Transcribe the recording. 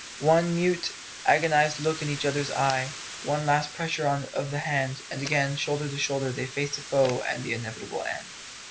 One mute, agonised look into each other's eyes; one last pressure of the hand, and again, shoulder to shoulder, they faced the foe and the inevitable end.